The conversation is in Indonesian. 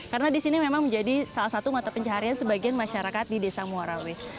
karena di sini memang menjadi salah satu mata pencaharian sebagian masyarakat di desa muarawis